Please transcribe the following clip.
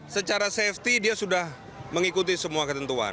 secara safety dia sudah mengikuti semua ketentuan